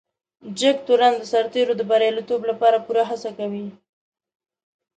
جګتورن د سرتیرو د بريالیتوب لپاره پوره هڅه کوي.